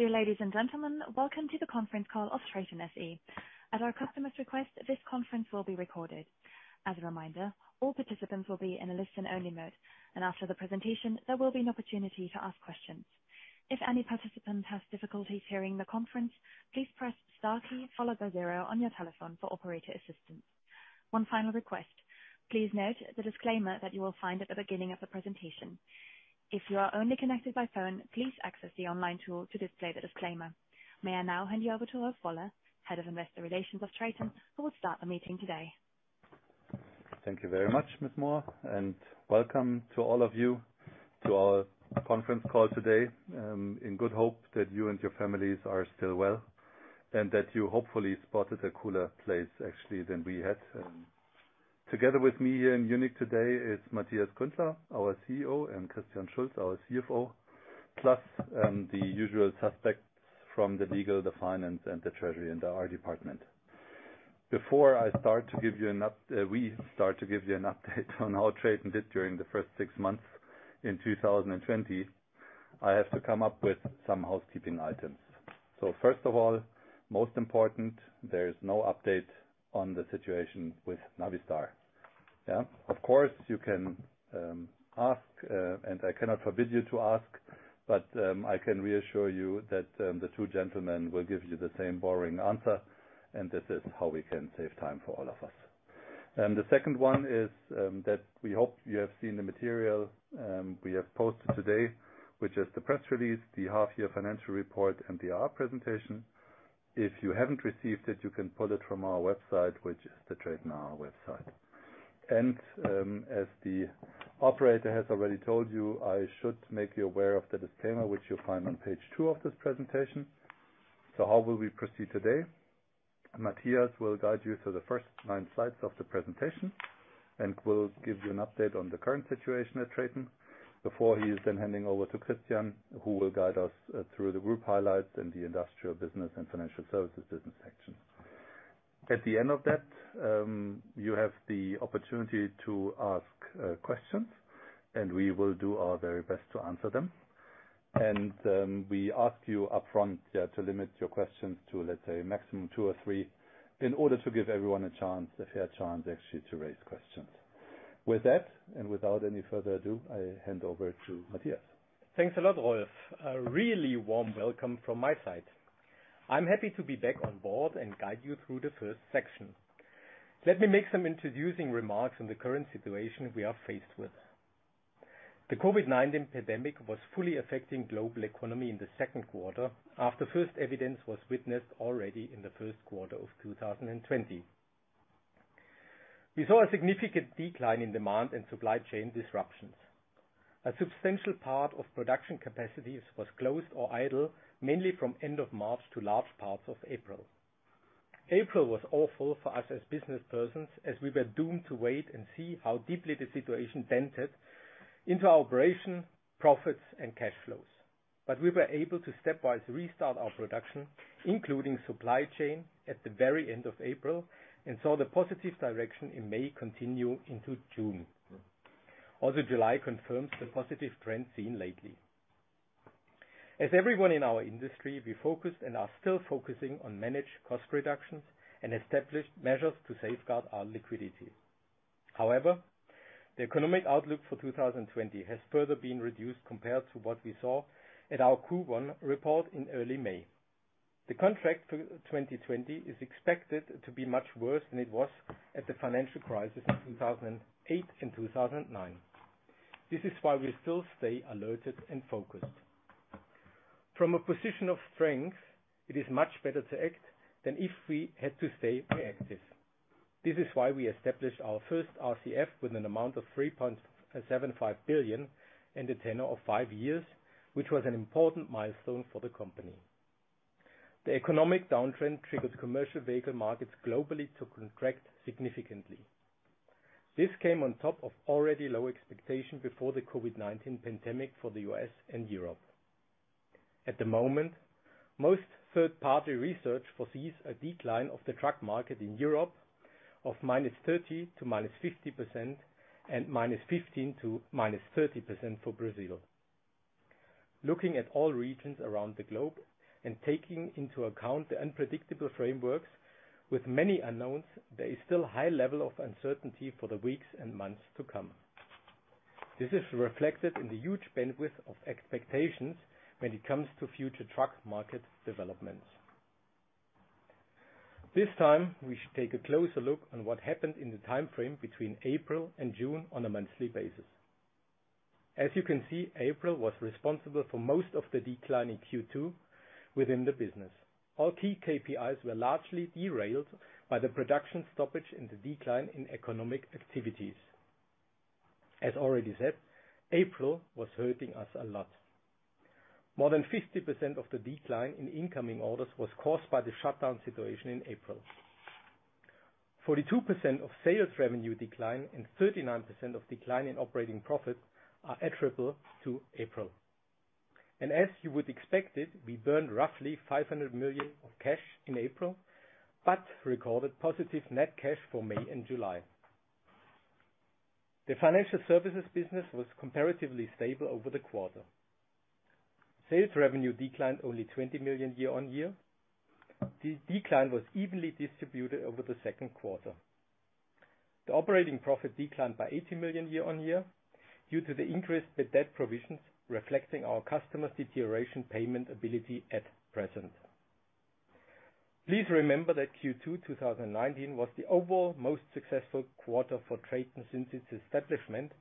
Dear ladies and gentlemen, welcome to the conference call of TRATON SE. At our customer's request, this conference will be recorded. As a reminder, all participants will be in a listen-only mode, and after the presentation, there will be an opportunity to ask questions. If any participant has difficulties hearing the conference, please press star key, followed by zero on your telephone for operator assistance. One final request. Please note the disclaimer that you will find at the beginning of the presentation. If you are only connected by phone, please access the online tool to display the disclaimer. May I now hand you over to Rolf Woller, Head of Investor Relations of TRATON, who will start the meeting today. Thank you very much, Ms. Moore, and welcome to all of you to our conference call today, in good hope that you and your families are still well, and that you hopefully spotted a cooler place, actually, than we had. Together with me here in Munich today is Matthias Gründler, our CEO, and Christian Schulz, our CFO, plus the usual suspects from the legal, the finance, and the treasury in our department. Before we start to give you an update on how trade went during the first six months in 2020, I have to come up with some housekeeping items. First of all, most important, there is no update on the situation with Navistar. Of course, you can ask, and I cannot forbid you to ask, but I can reassure you that the two gentlemen will give you the same boring answer, and this is how we can save time for all of us. The second one is that we hope you have seen the material we have posted today, which is the press release, the half year financial report, and the R&D presentation. If you haven't received it, you can pull it from our website, which is the TRATON website. As the operator has already told you, I should make you aware of the disclaimer, which you'll find on page two of this presentation. So how will we proceed today? Matthias Gründler will guide you through the first nine slides of the presentation and will give you an update on the current situation at TRATON before he is then handing over to Christian Schulz, who will guide us through the group highlights in the industrial business and financial services business section. At the end of that, you have the opportunity to ask questions, and we will do our very best to answer them. We ask you up front to limit your questions to, let's say, a maximum two or three in order to give everyone a fair chance, actually, to raise questions. With that, and without any further ado, I hand over to Matthias Gründler. Thanks a lot, Rolf Woller. A really warm welcome from my side. I'm happy to be back on board and guide you through the first section. Let me make some introducing remarks on the current situation we are faced with. The COVID-19 pandemic was fully affecting global economy in the second quarter, after first evidence was witnessed already in the first quarter of 2020. We saw a significant decline in demand and supply chain disruptions. A substantial part of production capacities was closed or idle, mainly from end of March to large parts of April. April was awful for us as businesspersons, as we were doomed to wait and see how deeply the situation dented into our operation, profits, and cash flows. We were able to stepwise restart our production, including supply chain, at the very end of April, and saw the positive direction in May continue into June. July confirms the positive trend seen lately. As everyone in our industry, we focused and are still focusing on managed cost reductions and established measures to safeguard our liquidity. The economic outlook for 2020 has further been reduced compared to what we saw at our Q1 report in early May. The contraction for 2020 is expected to be much worse than it was at the financial crisis in 2008 and 2009. We still stay alerted and focused. From a position of strength, it is much better to act than if we had to stay reactive. We established our first RCF with an amount of 3.75 billion and a tenure of five years, which was an important milestone for the company. The economic downtrend triggered commercial vehicle markets globally to contract significantly. This came on top of already low expectation before the COVID-19 pandemic for the U.S. and Europe. At the moment, most third-party research foresees a decline of the truck market in Europe of -30% to -50%, and -15% to -30% for Brazil. Looking at all regions around the globe and taking into account the unpredictable frameworks with many unknowns, there is still high level of uncertainty for the weeks and months to come. This is reflected in the huge bandwidth of expectations when it comes to future truck market developments. This time, we should take a closer look on what happened in the timeframe between April and June on a monthly basis. As you can see, April was responsible for most of the decline in Q2 within the business. All key KPIs were largely derailed by the production stoppage and the decline in economic activities. As already said, April was hurting us a lot. More than 50% of the decline in incoming orders was caused by the shutdown situation in April. 42% of sales revenue decline and 39% of decline in operating profit are attributable to April. As you would expect it, we burned roughly 500 million of cash in April, but recorded positive net cash for May and July. The financial services business was comparatively stable over the quarter. Sales revenue declined only 20 million year-on-year. The decline was evenly distributed over the second quarter. The operating profit declined by 80 million year-on-year due to the increased bad debt provisions, reflecting our customers' deterioration payment ability at present. Please remember that Q2 2019 was the overall most successful quarter for TRATON since its establishment,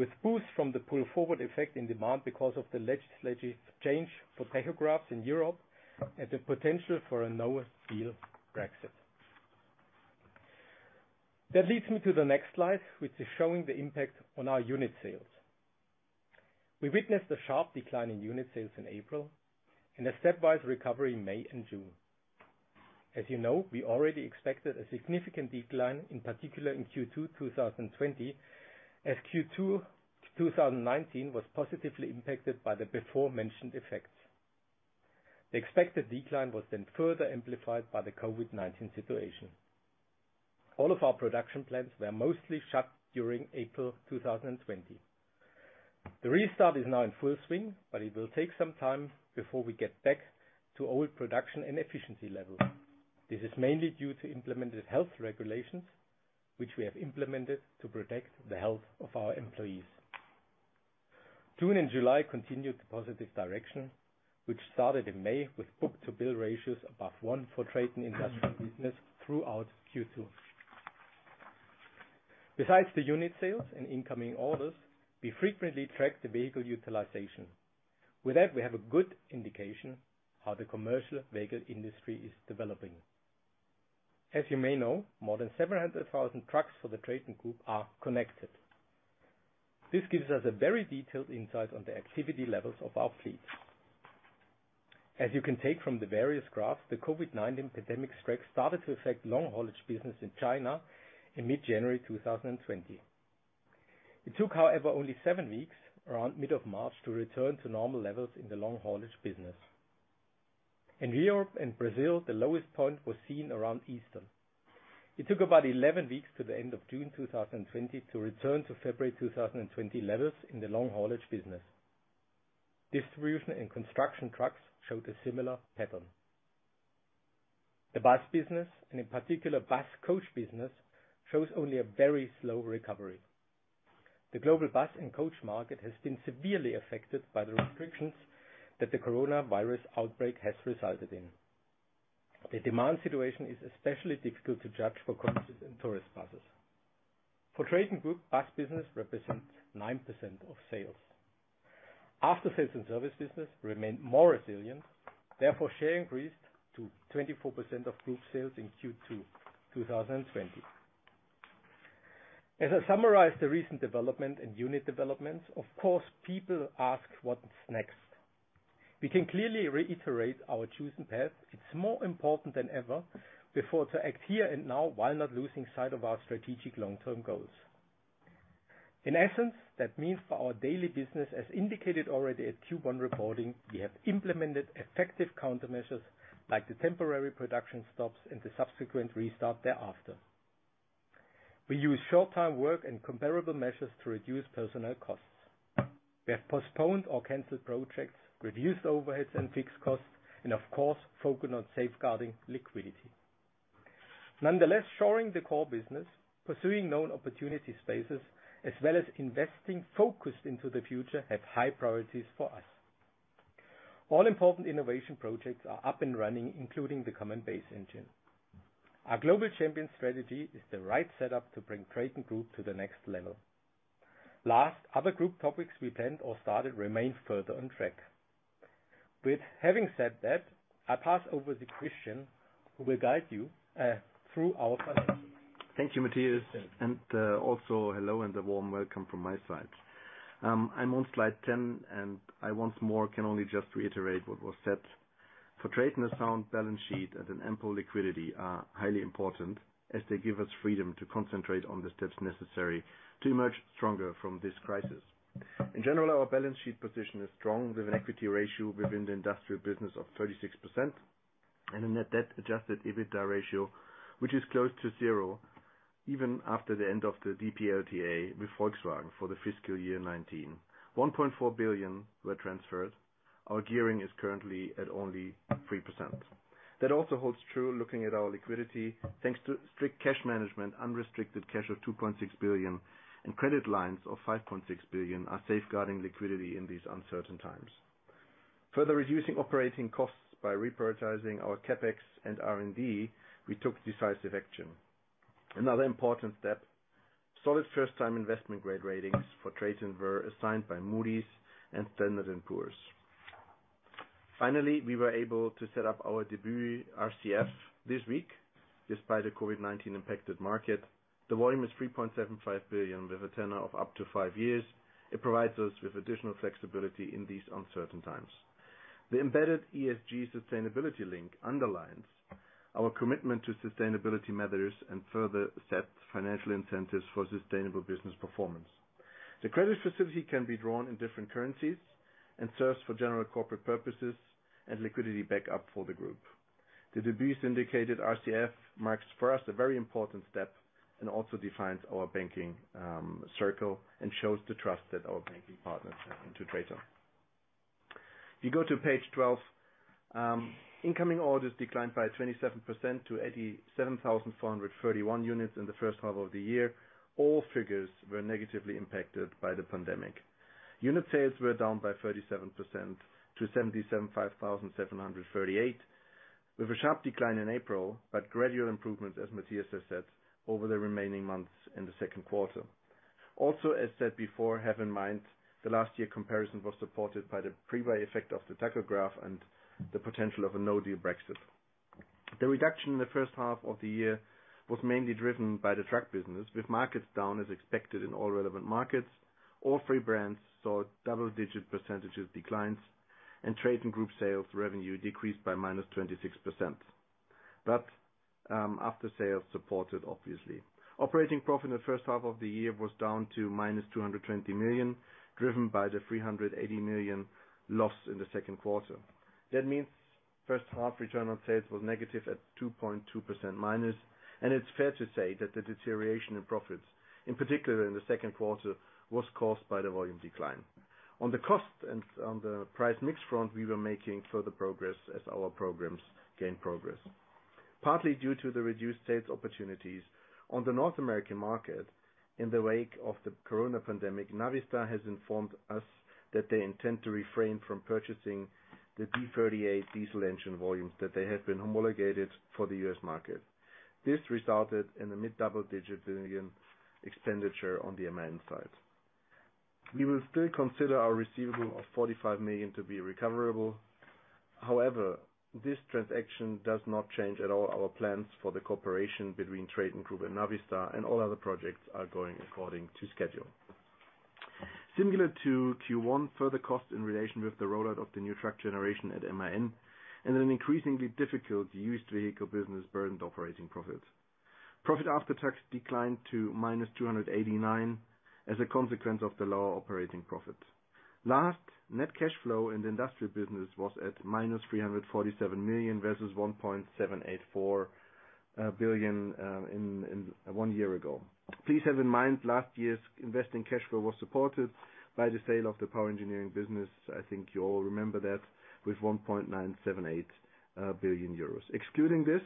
with boosts from the pull-forward effect in demand because of the legislative change for tachographs in Europe, and the potential for a no-deal Brexit. That leads me to the next slide, which is showing the impact on our unit sales. We witnessed a sharp decline in unit sales in April and a stepwise recovery in May and June. As you know, we already expected a significant decline, in particular in Q2 2020, as Q2 2019 was positively impacted by the beforementioned effects. The expected decline was then further amplified by the COVID-19 situation. All of our production plants were mostly shut during April 2020. The restart is now in full swing, but it will take some time before we get back to old production and efficiency levels. This is mainly due to implemented health regulations, which we have implemented to protect the health of our employees. July continued the positive direction, which started in May, with book-to-bill ratios above one for TRATON industrial business throughout Q2. Besides the unit sales and incoming orders, we frequently track the vehicle utilization. With that, we have a good indication how the commercial vehicle industry is developing. As you may know, more than 700,000 trucks for the TRATON Group are connected. This gives us a very detailed insight on the activity levels of our fleet. As you can take from the various graphs, the COVID-19 pandemic strike started to affect long-haulage business in China in mid-January 2020. It took, however, only seven weeks, around mid of March, to return to normal levels in the long-haulage business. In Europe and Brazil, the lowest point was seen around Easter. It took about 11 weeks to the end of June 2020 to return to February 2020 levels in the long-haulage business. Distribution and construction trucks showed a similar pattern. The bus business, and in particular, bus coach business, shows only a very slow recovery. The global bus and coach market has been severely affected by the restrictions that the coronavirus outbreak has resulted in. The demand situation is especially difficult to judge for coaches and tourist buses. For TRATON Group, bus business represents 9% of sales. After-sales and service business remained more resilient, therefore share increased to 24% of group sales in Q2 2020. As I summarize the recent development and unit developments, of course, people ask what's next. We can clearly reiterate our chosen path. It's more important than ever before to act here and now, while not losing sight of our strategic long-term goals. In essence, that means for our daily business, as indicated already at Q1 reporting, we have implemented effective countermeasures, like the temporary production stops and the subsequent restart thereafter. We use short-time work and comparable measures to reduce personnel costs. We have postponed or canceled projects, reduced overheads and fixed costs, and of course, focused on safeguarding liquidity. Nonetheless, shoring the core business, pursuing known opportunity spaces, as well as investing focused into the future, have high priorities for us. All important innovation projects are up and running, including the Common Base Engine. Our Global Champion Strategy is the right setup to bring TRATON Group to the next level. Last, other group topics we planned or started remain further on track. With having said that, I pass over to Christian Schulz, who will guide you through our finances. Thank you, Matthias Gründler. Also, hello and a warm welcome from my side. I'm on slide 10. I once more can only just reiterate what was said. For TRATON, a sound balance sheet and an ample liquidity are highly important, as they give us freedom to concentrate on the steps necessary to emerge stronger from this crisis. In general, our balance sheet position is strong, with an equity ratio within the industrial business of 36%. A net debt adjusted EBITDA ratio which is close to zero, even after the end of the DPLTA with Volkswagen for the fiscal year 2019. 1.4 billion were transferred. Our gearing is currently at only 3%. That also holds true looking at our liquidity. Thanks to strict cash management, unrestricted cash of 2.6 billion and credit lines of 5.6 billion are safeguarding liquidity in these uncertain times. Further reducing operating costs by reprioritizing our CapEx and R&D, we took decisive action. Another important step, solid first-time investment-grade ratings for TRATON were assigned by Moody's and Standard & Poor's. Finally, we were able to set up our debut RCF this week, despite a COVID-19 impacted market. The volume is 3.75 billion with a tenor of up to five years. It provides us with additional flexibility in these uncertain times. The embedded ESG sustainability link underlines our commitment to sustainability matters and further sets financial incentives for sustainable business performance. The credit facility can be drawn in different currencies and serves for general corporate purposes and liquidity backup for the group. The syndicated RCF marks for us a very important step and also defines our banking circle and shows the trust that our banking partners have in TRATON. If you go to page 12, incoming orders declined by 27% to 87,431 units in the first half of the year. All figures were negatively impacted by the pandemic. Unit sales were down by 37% to 77,5738, with a sharp decline in April, but gradual improvements, as Matthias Gründler has said, over the remaining months in the second quarter. As said before, have in mind, the last year comparison was supported by the pre-buy effect of the tachograph and the potential of a no-deal Brexit. The reduction in the first half of the year was mainly driven by the truck business, with markets down as expected in all relevant markets. All three brands saw double-digit percentage declines and TRATON Group sales revenue decreased by -26%, after-sales supported, obviously. Operating profit in the first half of the year was down to -220 million, driven by the 380 million loss in the second quarter. That means first half return on sales was negative at 2.2%-, and it's fair to say that the deterioration in profits, in particular in the second quarter, was caused by the volume decline. On the cost and on the price mix front, we were making further progress as our programs gain progress. Partly due to the reduced sales opportunities on the North American market in the wake of the COVID-19 pandemic, Navistar has informed us that they intend to refrain from purchasing the D38 diesel engine volumes that they have been homologated for the U.S. market. This resulted in a mid-double-digit million EUR expenditure on the amount side. We will still consider our receivable of 45 million to be recoverable. However, this transaction does not change at all our plans for the cooperation between TRATON Group and Navistar. All other projects are going according to schedule. Similar to Q1, further costs in relation with the rollout of the new truck generation at MAN and an increasingly difficult used vehicle business burdened operating profit. Profit after tax declined to -289 as a consequence of the lower operating profit. Last, net cash flow in the industrial business was at -347 million, versus 1.784 billion one year ago. Please have in mind, last year's investing cash flow was supported by the sale of the power engineering business. I think you all remember that with 1.978 billion euros. Excluding this,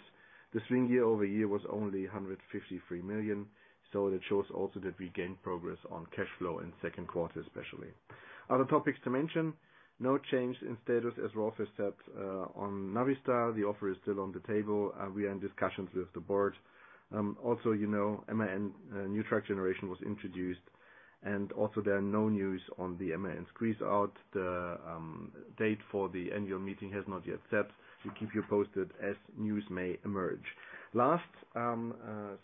the swing year-over-year was only 153 million. It shows also that we gained progress on cash flow in the second quarter, especially. Other topics to mention, no change in status, as Rolf Woller has said. On Navistar, the offer is still on the table. We are in discussions with the board. You know, MAN new truck generation was introduced, and also there are no news on the MAN squeeze-out. The date for the annual meeting has not yet set. We keep you posted as news may emerge.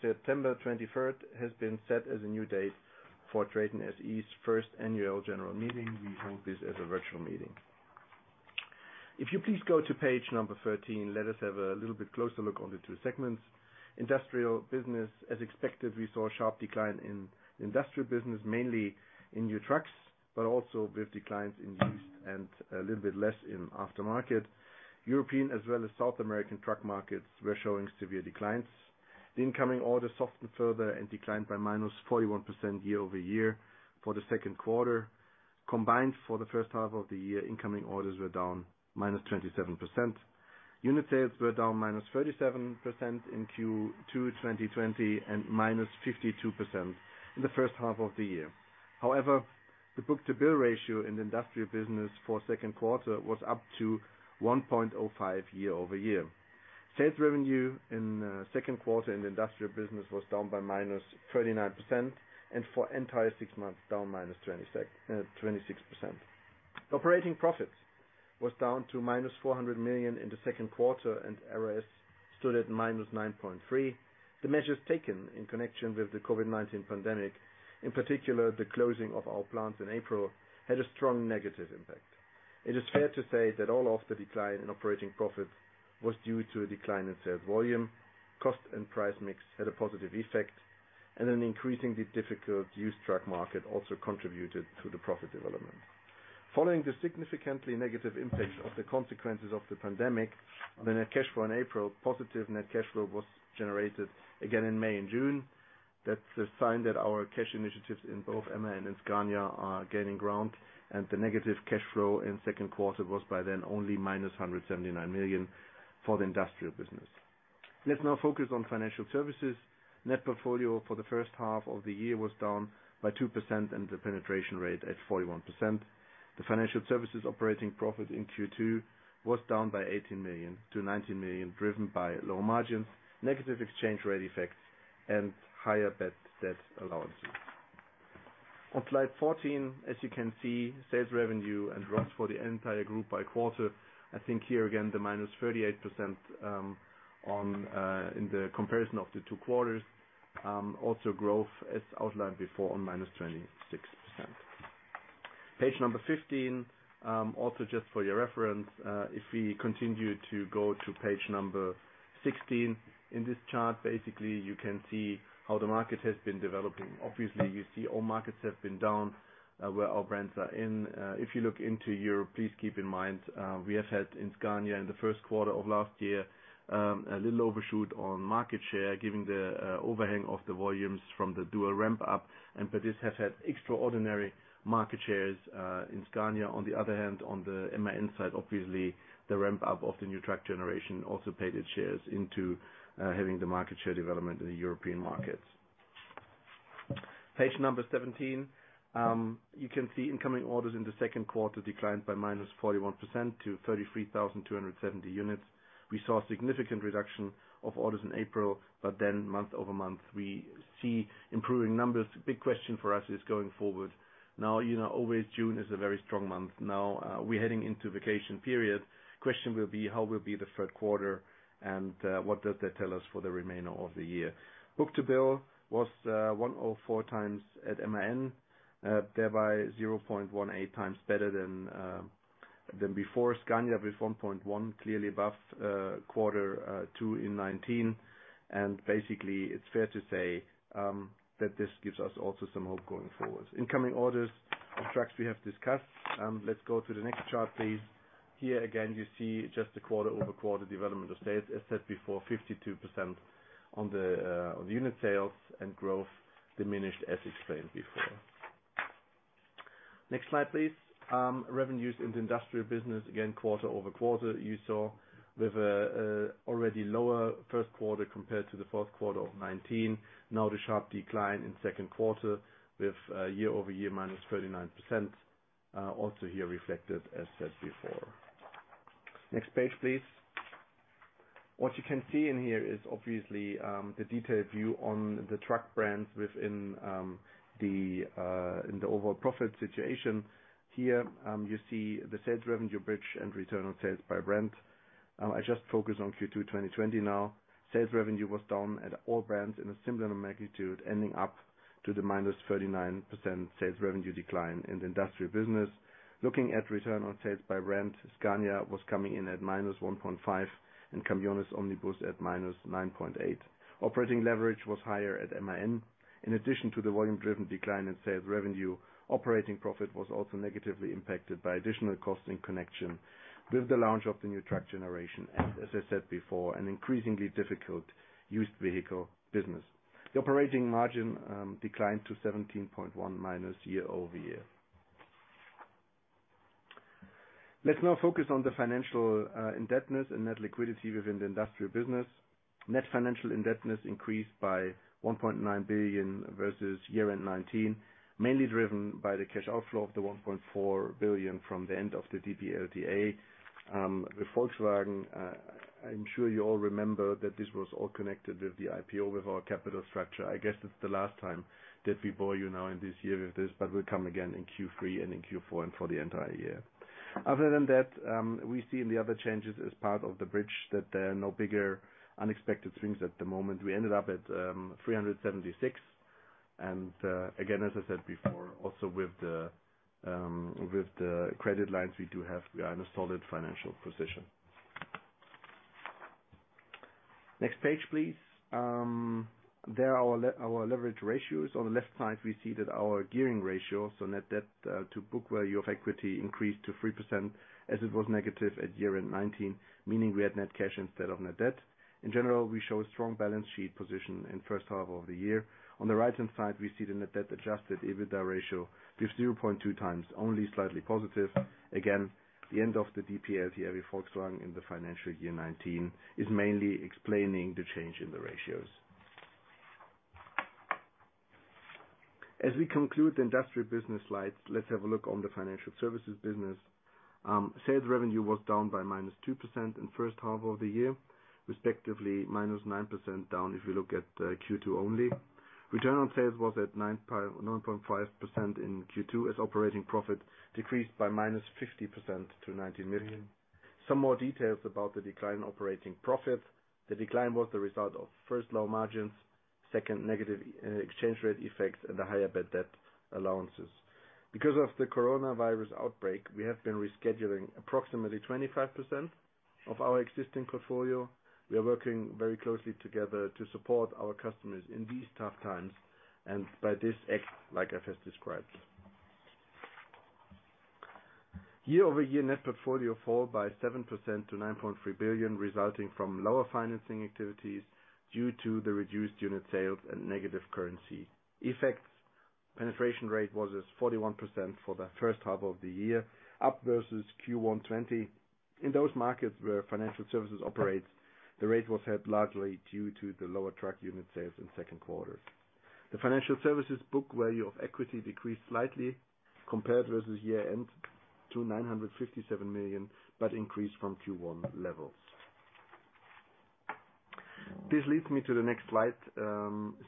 September 23rd has been set as a new date for TRATON SE's first annual general meeting. We hold this as a virtual meeting. If you please go to page number 13, let us have a little bit closer look on the two segments. Industrial business, as expected, we saw a sharp decline in industrial business, mainly in new trucks, but also with declines in used and a little bit less in aftermarket. European as well as South American truck markets were showing severe declines. The incoming orders softened further and declined by -41% year-over-year for the second quarter. Combined for the first half of the year, incoming orders were down -27%. Unit sales were down -37% in Q2 2020 and -52% in the first half of the year. The book-to-bill ratio in the industrial business for second quarter was up to 1.05 year-over-year. Sales revenue in the second quarter in the industrial business was down by -39% and for entire six months, down -26%. Operating profit was down to -400 million in the second quarter, and RoS stood at -9.3%. The measures taken in connection with the COVID-19 pandemic, in particular, the closing of our plants in April, had a strong negative impact. It is fair to say that all of the decline in operating profits was due to a decline in sales volume. Cost and price mix had a positive effect, and an increasingly difficult used truck market also contributed to the profit development. Following the significantly negative impact of the consequences of the pandemic on the net cash flow in April, positive net cash flow was generated again in May and June. That's a sign that our cash initiatives in both MAN and Scania are gaining ground, and the negative cash flow in the second quarter was by then only -179 million for the industrial business. Let's now focus on financial services. Net portfolio for the first half of the year was down by 2%, and the penetration rate at 41%. The financial services operating profit in Q2 was down by 18 million to 19 million, driven by lower margins, negative exchange rate effects, and higher bad debt allowances. On slide 14, as you can see, sales revenue and RoS for the entire group by quarter. I think here again, the -38% in the comparison of the two quarters, also growth as outlined before on -26%. Page number 15. Just for your reference, if we continue to go to page number 16. In this chart, basically, you can see how the market has been developing. Obviously, you see all markets have been down where our brands are in. If you look into Europe, please keep in mind, we have had in Scania in the first quarter of last year, a little overshoot on market share, giving the overhang of the volumes from the dual ramp up. By this have had extraordinary market shares in Scania. On the other hand, on the MAN side, obviously, the ramp up of the new truck generation also paid its shares into having the market share development in the European markets. Page number 17. You can see incoming orders in the second quarter declined by -41% to 33,270 units. We saw a significant reduction of orders in April, but then month-over-month, we see improving numbers. Big question for us is going forward. Always June is a very strong month. We're heading into vacation period. Question will be, how will be the third quarter, and what does that tell us for the remainder of the year? book-to-bill was 1.04 times at MAN, thereby 0.18 times better than before Scania with 1.1 times, clearly above quarter two in 2019. Basically, it's fair to say that this gives us also some hope going forward. Incoming orders for trucks we have discussed. Let's go to the next chart, please. Here again, you see just the quarter-over-quarter development of sales. As said before, 52% on the unit sales and growth diminished as explained before. Next slide, please. Revenues in the industrial business, again, quarter-over-quarter. You saw with a already lower first quarter compared to the fourth quarter of 2019. Now the sharp decline in second quarter with year-over-year -39%, also here reflected as said before. Next page, please. What you can see in here is obviously, the detailed view on the truck brands within the overall profit situation. Here you see the sales revenue bridge and return on sales by brand. I just focus on Q2 2020 now. Sales revenue was down at all brands in a similar magnitude, ending up to the -39% sales revenue decline in the industrial business. Looking at return on sales by brand, Scania was coming in at -1.5% and Caminhões e Ônibus at -9.8%. Operating leverage was higher at MAN. In addition to the volume-driven decline in sales revenue, operating profit was also negatively impacted by additional costs in connection with the launch of the new truck generation. As I said before, an increasingly difficult used vehicle business. The operating margin declined to 17.1%- year-over-year. Let's now focus on the financial indebtedness and net liquidity within the industrial business. Net financial indebtedness increased by 1.9 billion versus year-end 2019, mainly driven by the cash outflow of the 1.4 billion from the end of the DPLTA with Volkswagen. I'm sure you all remember that this was all connected with the IPO, with our capital structure. I guess it's the last time that we bore you now in this year with this, but we'll come again in Q3 and in Q4 and for the entire year. Other than that, we see in the other changes as part of the bridge that there are no bigger unexpected things at the moment. We ended up at 376 and again, as I said before, also with the credit lines we do have, we are in a solid financial position. Next page, please. There are our leverage ratios. On the left side, we see that our gearing ratio, so net debt to book value of equity increased to 3% as it was negative at year-end 2019, meaning we had net cash instead of net debt. In general, we show a strong balance sheet position in first half of the year. On the right-hand side, we see the net debt adjusted EBITDA ratio gives 0.2 times, only slightly positive. Again, the end of the DPLTA with Volkswagen in the financial year 2019 is mainly explaining the change in the ratios. As we conclude the industrial business slides, let's have a look on the financial services business. Sales revenue was down by -2% in first half of the year, respectively, -9% down if you look at Q2 only. Return on sales was at 9.5% in Q2 as operating profit decreased by -50% to 19 million. Some more details about the decline in operating profit. The decline was the result of, first, low margins, second, negative exchange rate effects, and the higher bad debt allowances. Because of the coronavirus outbreak, we have been rescheduling approximately 25% of our existing portfolio. We are working very closely together to support our customers in these tough times, and by this act like I've just described. Year-over-year net portfolio fell by 7% to 9.3 billion, resulting from lower financing activities due to the reduced unit sales and negative currency effects. Penetration rate was at 41% for the first half of the year, up versus Q1 2020. In those markets where financial services operates, the rate was helped largely due to the lower truck unit sales in second quarter. The financial services book value of equity decreased slightly compared versus year-end to 957 million, but increased from Q1 levels. This leads me to the next slide,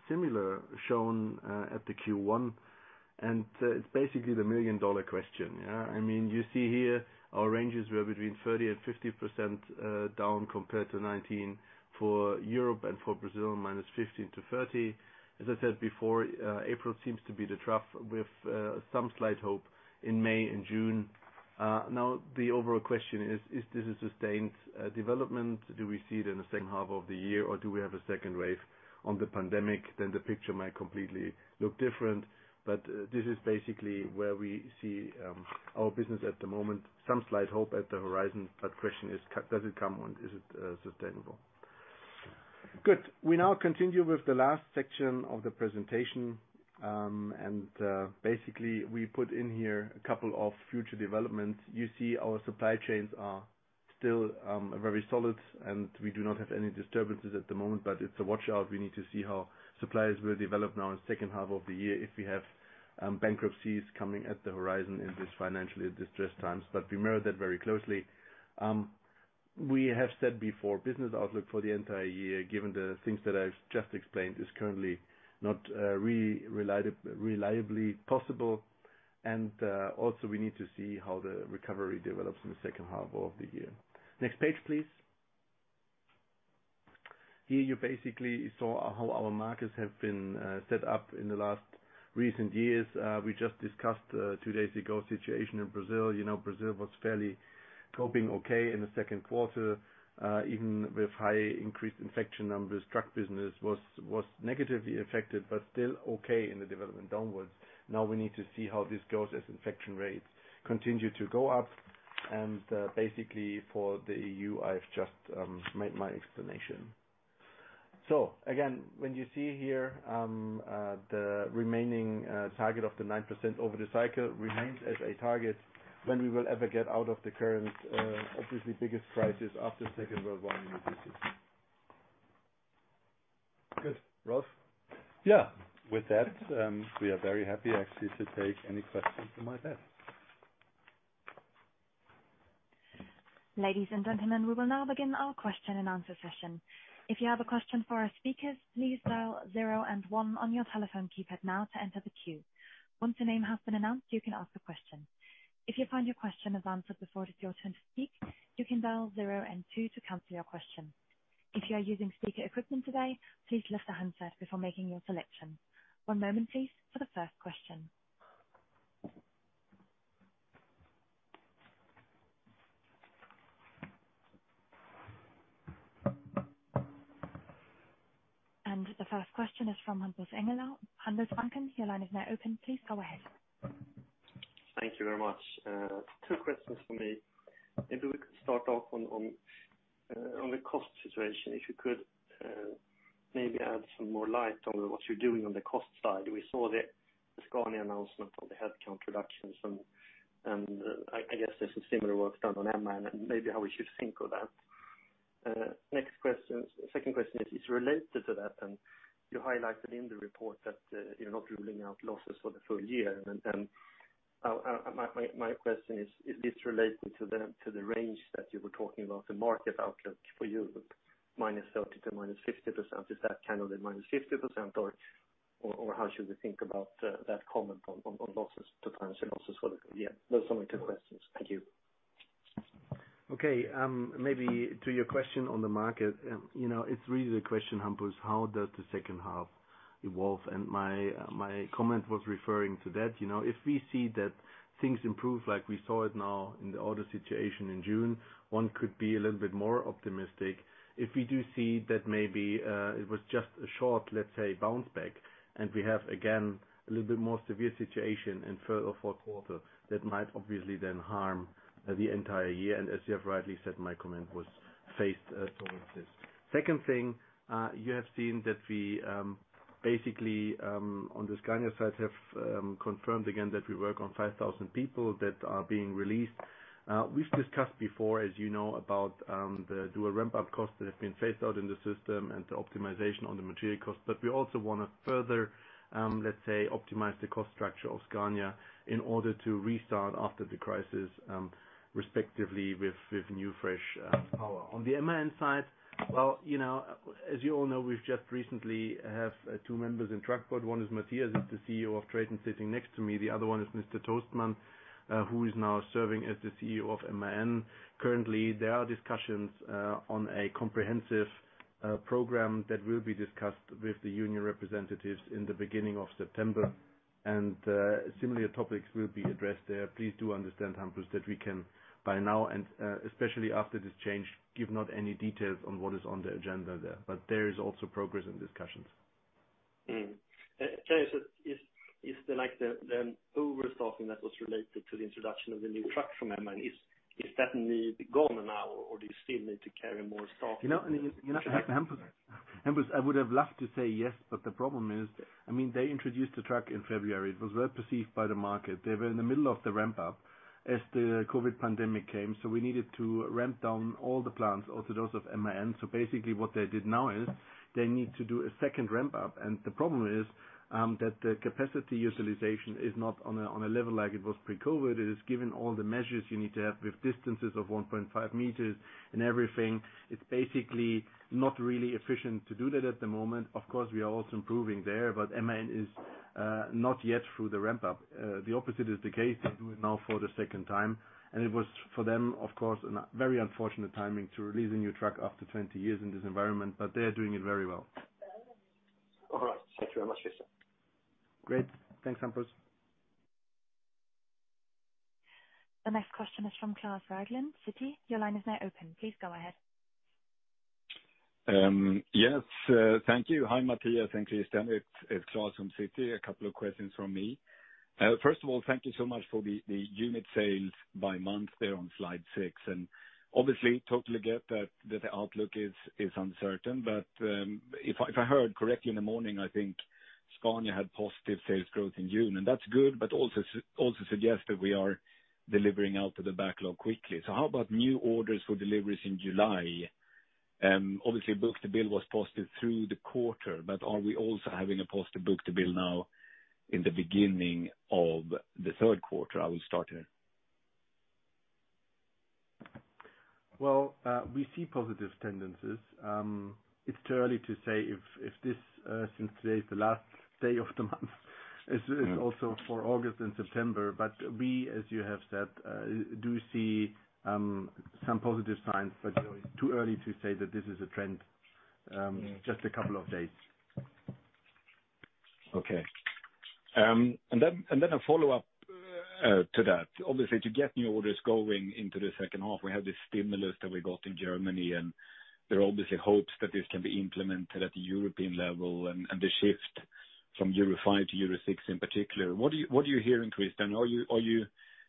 similar shown at the Q1, and it's basically the million-dollar question. You see here our ranges were between 30% and 50% down compared to 2019 for Europe and for Brazil, -15% to 30%. As I said before, April seems to be the trough with some slight hope in May and June. The overall question is: Is this a sustained development? Do we see it in the second half of the year, or do we have a second wave on the pandemic? The picture might completely look different, but this is basically where we see our business at the moment. Some slight hope at the horizon, the question is, does it come and is it sustainable? Good. We now continue with the last section of the presentation. Basically we put in here a couple of future developments. You see our supply chains are still very solid, and we do not have any disturbances at the moment, but it's a watch-out. We need to see how suppliers will develop now in second half of the year, if we have bankruptcies coming at the horizon in this financially distressed times. We mirror that very closely. We have said before, business outlook for the entire year, given the things that I've just explained, is currently not reliably possible. Also, we need to see how the recovery develops in the second half of the year. Next page, please. Here you basically saw how our markets have been set up in the last recent years. We just discussed, two days ago, situation in Brazil. Brazil was fairly coping okay in the second quarter, even with high increased infection numbers. Truck business was negatively affected, but still okay in the development downwards. Now we need to see how this goes as infection rates continue to go up, and basically for the EU, I've just made my explanation. Again, when you see here the remaining target of the 9% over the cycle remains as a target when we will ever get out of the current, obviously biggest crisis after Second World War in the business. Good. Rolf Woller? Yeah. With that, we are very happy actually to take any questions from out there. Ladies and gentlemen, we will now begin our question and answer session. If you have a question for our speakers, please dial zero and one on your telephone keypad now to enter the queue. Once a name has been announced, you can ask a question. If you find your question is answered before it is your turn to speak, you can dial zero and two to cancel your question. If you are using speaker equipment today, please lift the handset before making your selection. One moment, please, for the first question. The first question is from Hampus Engellau, Handelsbanken. Your line is now open. Please go ahead. Thank you very much. Two questions from me. Maybe we could start off on the cost situation, if you could maybe add some more light on what you're doing on the cost side. We saw the Scania announcement on the headcount reductions, and I guess there's a similar work done on MAN and maybe how we should think of that. Second question is related to that then. You highlighted in the report that you're not ruling out losses for the full year. My question is this related to the range that you were talking about, the market outlook for Europe, -30% to -50%? Is that kind of the -50%, or how should we think about that comment on potential losses for the year? Those are my two questions. Thank you. Maybe to your question on the market. It's really the question, Hampus Engellau, how does the second half evolve? My comment was referring to that. If we see that things improve like we saw it now in the order situation in June, one could be a little bit more optimistic. If we do see that maybe it was just a short, let's say, bounce back, and we have, again, a little bit more severe situation in third or fourth quarter, that might obviously then harm the entire year. As you have rightly said, my comment was faced towards this. Second thing, you have seen that we basically, on the Scania side, have confirmed again that we work on 5,000 people that are being released. We've discussed before, as you know, about the dual ramp-up costs that have been phased out in the system and the optimization on the material cost. We also want to further, let's say, optimize the cost structure of Scania in order to restart after the crisis, respectively with new, fresh power. On the MAN side, as you all know, we've just recently have two members in Truck Board. One is Matthias Gründler, is the CEO of TRATON sitting next to me. The other one is Mr. Andreas Tostmann, who is now serving as the CEO of MAN. Currently, there are discussions on a comprehensive program that will be discussed with the union representatives in the beginning of September. Similar topics will be addressed there. Please do understand, Hampus Engellau, that we can, by now and especially after this change, give not any details on what is on the agenda there. There is also progress in discussions. Can I ask, is the overstocking that was related to the introduction of the new truck from MAN, is that need gone now, or do you still need to carry more stock? Hampus Engellau, I would have loved to say yes. The problem is, they introduced the truck in February. It was well-perceived by the market. They were in the middle of the ramp-up as the COVID-19 pandemic came. We needed to ramp down all the plants, also those of MAN. Basically what they did now is they need to do a second ramp-up. The problem is that the capacity utilization is not on a level like it was pre-COVID-19. It is given all the measures you need to have with distances of 1.5 m and everything. It's basically not really efficient to do that at the moment. Of course, we are also improving there. MAN is not yet through the ramp-up. The opposite is the case. They do it now for the second time, and it was, for them, of course, a very unfortunate timing to release a new truck after 20 years in this environment, but they are doing it very well. All right. Thank you very much, Christian Schulz. Great. Thanks, Hampus Engellau. The next question is from Klas Bergelind, Citi. Your line is now open. Please go ahead. Yes. Thank you. Hi, Matthias Gründler and Christian Schulz. It's Klas from Citi. A couple of questions from me. First of all, thank you so much for the unit sales by month there on slide six, and obviously, totally get that the outlook is uncertain. If I heard correctly in the morning, I think Scania had positive sales growth in June, and that's good, but also suggests that we are delivering out to the backlog quickly. How about new orders for deliveries in July? Book-to-bill was positive through the quarter, but are we also having a positive book-to-bill now in the beginning of the third quarter? I will start here. We see positive tendencies. It's too early to say if this, since today is the last day of the month, is also for August and September. We, as you have said, do see some positive signs, but it's too early to say that this is a trend. Just a couple of days. Okay. A follow-up to that. Obviously, to get new orders going into the second half, we have this stimulus that we got in Germany, and there are obviously hopes that this can be implemented at the European level and the shift from Euro 5 to Euro 6 in particular. What are you hearing, Christian? Are you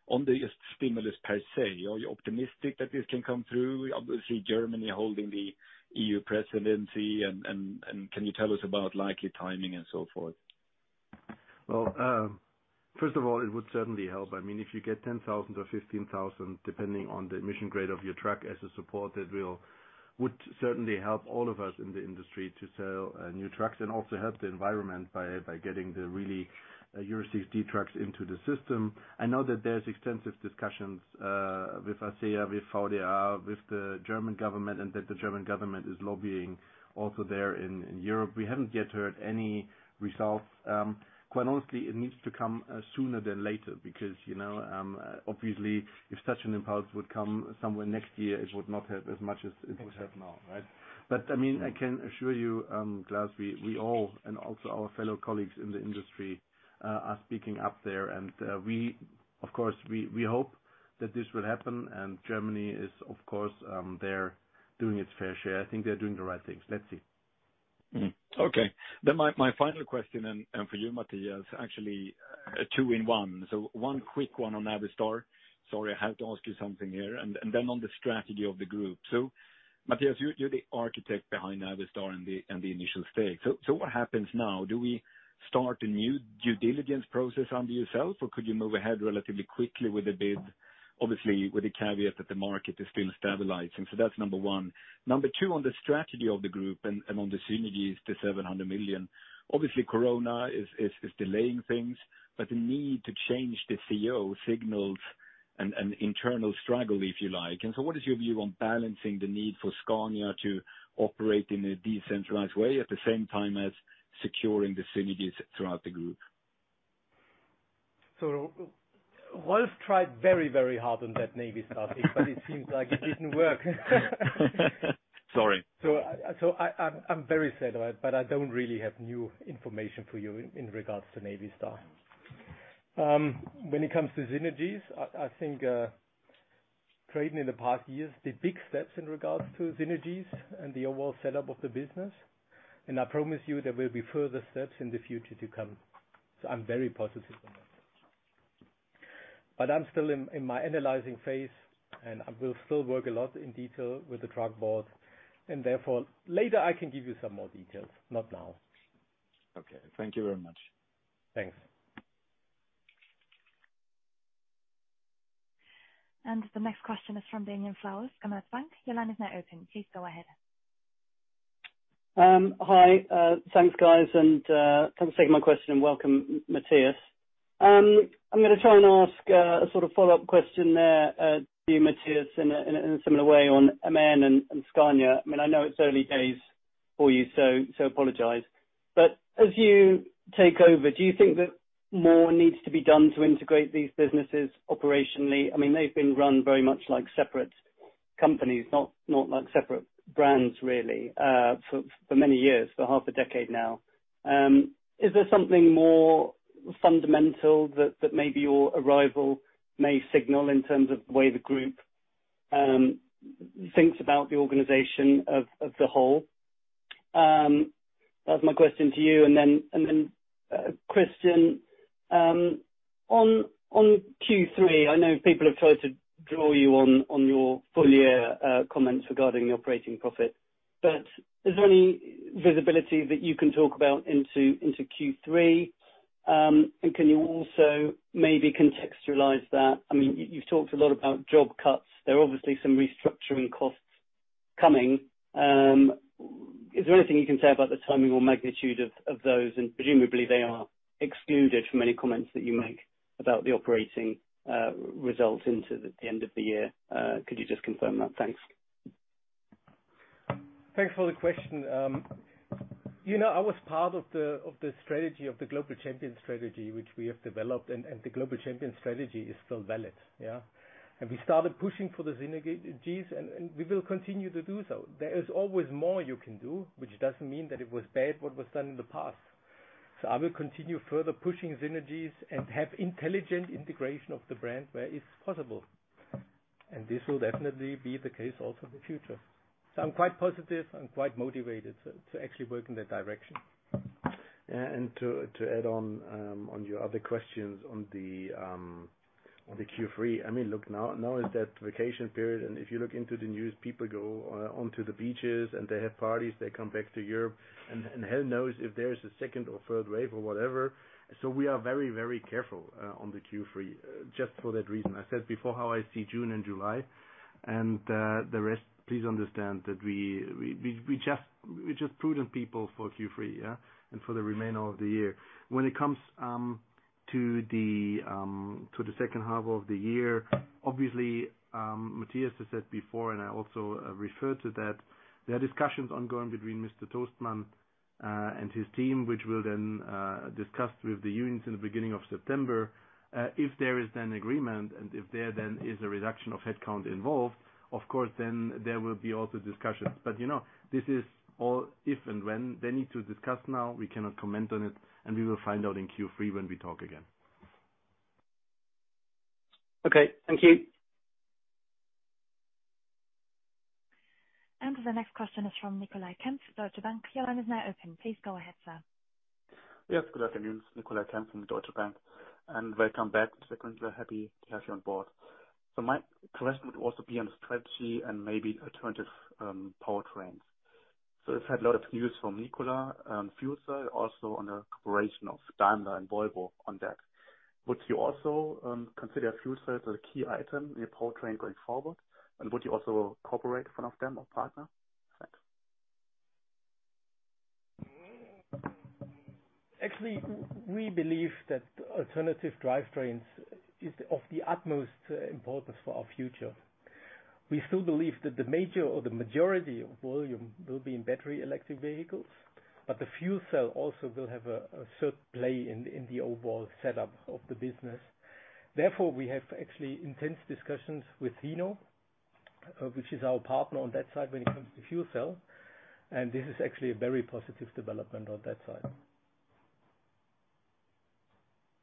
on the stimulus per se? Are you optimistic that this can come through? Obviously, Germany holding the EU presidency, and can you tell us about likely timing and so forth? Well, first of all, it would certainly help. If you get 10,000 or 15,000, depending on the emission grade of your truck as a supported wheel, would certainly help all of us in the industry to sell new trucks and also help the environment by getting the really Euro 6d trucks into the system. I know that there's extensive discussions, with ACEA, with VDA, with the German Government. That the German Government is lobbying also there in Europe. We haven't yet heard any results. Quite honestly, it needs to come sooner than later because, obviously, if such an impulse would come somewhere next year, it would not help as much as it would help now, right? I can assure you, Klas, we all, and also our fellow colleagues in the industry, are speaking up there. Of course, we hope that this will happen, and Germany is, of course, there doing its fair share. I think they're doing the right things. Let's see. My final question, and for you, Matthias Gründler, actually, two in one. One quick one on Navistar. Sorry, I have to ask you something here. On the strategy of the group. Matthias Gründler, you're the architect behind Navistar and the initial stake. What happens now? Do we start a new due diligence process under yourself, or could you move ahead relatively quickly with a bid? Obviously, with the caveat that the market is still stabilizing. That's number one. Number two, on the strategy of the group and on the synergies to 700 million. Obviously, Corona is delaying things, but the need to change the CEO signals an internal struggle, if you like. What is your view on balancing the need for Scania to operate in a decentralized way at the same time as securing the synergies throughout the group? Rolf Woller tried very hard on that Navistar thing, but it seems like it didn't work. Sorry. I'm very sad about it, but I don't really have new information for you in regards to Navistar. When it comes to synergies, I think, TRATON in the past years did big steps in regards to synergies and the overall setup of the business. I promise you there will be further steps in the future to come. I'm very positive on that. I'm still in my analyzing phase, and I will still work a lot in detail with the truck board, and therefore, later I can give you some more details. Not now. Okay. Thank you very much. Thanks. The next question is from Demian Flowers, Commerzbank. Your line is now open. Please go ahead. Hi. Thanks, guys, and thanks for taking my question, and welcome, Matthias Gründler. I'm going to try and ask a sort of follow-up question there to you, Matthias Gründler, in a similar way on MAN and Scania. I know it's early days for you, so apologize. As you take over, do you think that more needs to be done to integrate these businesses operationally? They've been run very much like separate companies, not like separate brands really, for many years, for half a decade now. Is there something more fundamental that maybe your arrival may signal in terms of the way the group thinks about the organization of the whole? That's my question to you. Then, Christian, on Q3, I know people have tried to draw you on your full-year comments regarding the operating profit, but is there any visibility that you can talk about into Q3? Can you also maybe contextualize that? You've talked a lot about job cuts. There are obviously some restructuring costs coming. Is there anything you can say about the timing or magnitude of those? Presumably, they are excluded from any comments that you make about the operating results into the end of the year. Could you just confirm that? Thanks. Thanks for the question. I was part of the strategy of the Global Champion Strategy, which we have developed, and the Global Champion Strategy is still valid, yeah? We started pushing for the synergies, and we will continue to do so. There is always more you can do, which doesn't mean that it was bad what was done in the past. I will continue further pushing synergies and have intelligent integration of the brand where it's possible. This will definitely be the case also in the future. I'm quite positive and quite motivated to actually work in that direction. To add on your other questions on the Q3. Now is that vacation period, and if you look into the news, people go onto the beaches and they have parties, they come back to Europe and hell knows if there is a second or third wave or whatever. We are very careful on the Q3, just for that reason. I said before how I see June and July and the rest, please understand that we're just prudent people for Q3, yeah? For the remainder of the year. When it comes to the second half of the year, obviously, Matthias Gründler has said before, and I also referred to that, there are discussions ongoing between Mr. Andreas Tostmann and his team, which we'll then discuss with the unions in the beginning of September. If there is then agreement and if there then is a reduction of headcount involved, of course, then there will be also discussions. This is all if and when. They need to discuss now, we cannot comment on it, and we will find out in Q3 when we talk again. Okay. Thank you. The next question is from Nicolai Kempf, Deutsche Bank. Your line is now open. Please go ahead, sir. Yes, good afternoon. Nicolai Kempf from Deutsche Bank, welcome back to the conference. We're happy to have you on board. My question would also be on strategy and maybe alternative powertrains. We've had a lot of news from Nikola on fuel cell, also on the cooperation of Daimler and Volvo on that. Would you also consider a fuel cell as a key item in your powertrain going forward? Would you also cooperate with one of them or partner? Thanks. Actually, we believe that alternative drivetrains is of the utmost importance for our future. We still believe that the major or the majority of volume will be in battery electric vehicles, but the fuel cell also will have a third play in the overall setup of the business. Therefore, we have actually intense discussions with Hino, which is our partner on that side when it comes to fuel cell, and this is actually a very positive development on that side.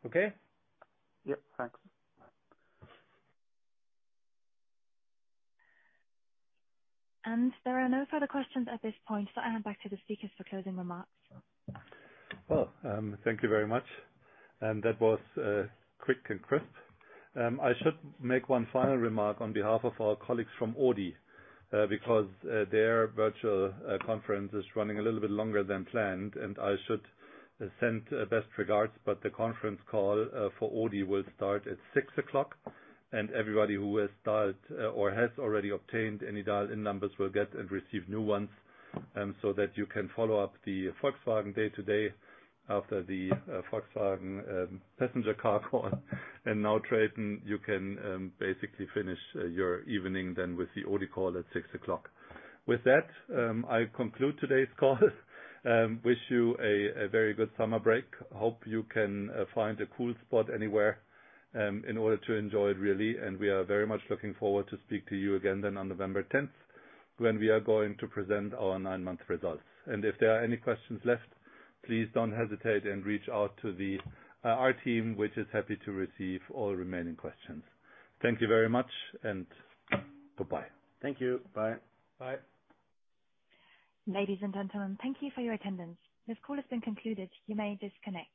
Okay? Yep, thanks. There are no further questions at this point, so I hand back to the speakers for closing remarks. Well, thank you very much. That was quick and crisp. I should make one final remark on behalf of our colleagues from Audi, because their virtual conference is running a little bit longer than planned. I should send best regards, the conference call for Audi will start at 6:00 P.M., and everybody who has dialed or has already obtained any dial-in numbers will get and receive new ones. You can follow up the Volkswagen day today after the Volkswagen passenger car call and now TRATON, you can basically finish your evening then with the Audi call at 6:00 P.M. With that, I conclude today's call. Wish you a very good summer break. Hope you can find a cool spot anywhere in order to enjoy it really. We are very much looking forward to speak to you again then on November 10th, when we are going to present our nine-month results. If there are any questions left, please don't hesitate and reach out to our team, which is happy to receive all remaining questions. Thank you very much. Bye-bye. Thank you. Bye. Bye. Ladies and gentlemen, thank you for your attendance. This call has been concluded. You may disconnect.